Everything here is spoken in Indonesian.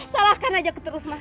salahkan aja keterus mas